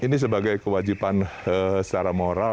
ini sebagai kewajipan secara moral ya